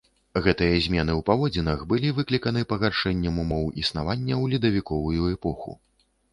Гэтыя змены ў паводзінах былі выкліканы пагаршэннем умоў існавання ў ледавіковую эпоху.